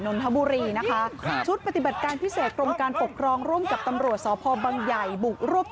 นนทบุรีนะคะครับชุดปฏิบัติการพิเศษกรมการปกครองร่วมกับตำรวจสพบังใหญ่บุกรวบตัว